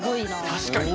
確かに。